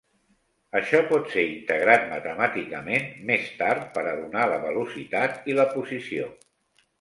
Això pot ser integrat matemàticament més tard per a donar la velocitat i la posició.